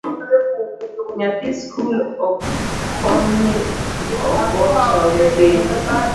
Nyathi skul okon ni ogoo chonge piny